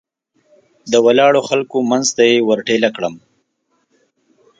د ولاړو خلکو منځ ته یې ور ټېله کړم.